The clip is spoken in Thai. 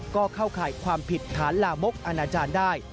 ก็เข้าข่ายความผิดฐานลามกอนาจารย์ได้